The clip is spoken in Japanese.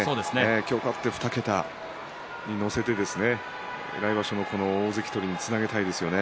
今日勝って２桁乗せて来場所の大関取りにつなげたいですよね。